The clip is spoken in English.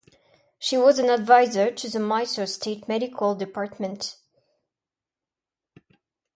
She was an adviser to the Mysore State Medical Department.